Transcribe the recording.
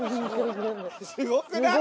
すごくない？